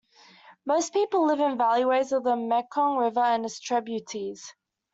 Most people live in valleys of the Mekong River and its tributaries.